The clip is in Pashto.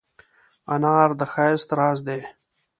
انار د ښایست راز دی.